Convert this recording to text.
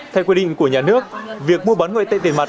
theo quy định của nhà nước việc mua bán ngoại tệ tiền mặt